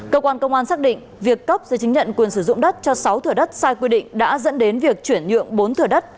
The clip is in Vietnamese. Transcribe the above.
cơ quan công an xác định việc cấp giấy chứng nhận quyền sử dụng đất cho sáu thửa đất sai quy định đã dẫn đến việc chuyển nhượng bốn thửa đất